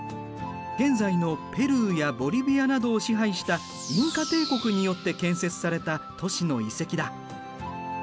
現在のペルーやボリビアなどを支配したインカ帝国によって建設された都市の遺跡だ。